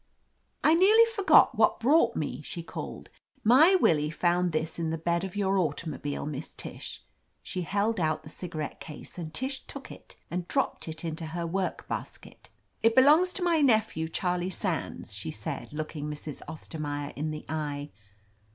"I nearly forgot what brought me," she called. "My Willie found this in the bed of your automobile, Miss Tish." She held out the cigarette case and Tish took it and dropped it into her work basket "It belongs to my nephew, Charlie Sands,'* she said, looking Mrs. Ostermaier in the eye.